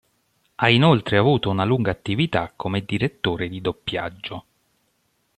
Ha inoltre avuto una lunga attività come direttore di doppiaggio.